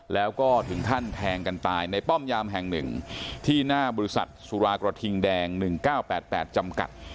แล้วก็ถึงขั้นแทงกันตายในป้อมยามแห่งหนึ่งที่หน้าบริษัทสุรากระทิงแดง๑๙๘๘จำกัด